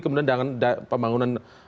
kemudian pembangunan manusia